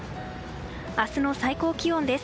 明日の最高気温です。